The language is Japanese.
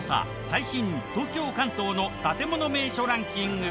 最新東京・関東の建もの名所ランキング。